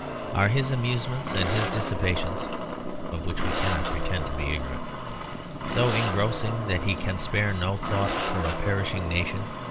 Are his amusements and his dissipations (of which we cannot pretend to be ignorant) so engrossing that he can spare no thought for a perishing nation?